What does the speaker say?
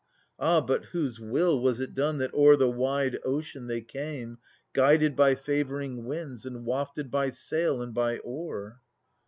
Ah J by whose will was it doneJ that o'er the wide ocean they came, Guided by favouring winds/ and wafted by sail and by oar